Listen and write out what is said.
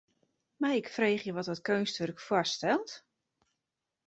Mei ik freegje wat dat keunstwurk foarstelt?